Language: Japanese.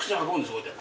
こうやって。